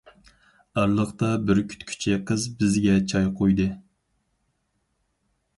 ئارىلىقتا بىر كۈتكۈچى قىز بىزگە چاي قۇيدى.